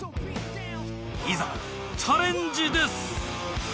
いざチャレンジです。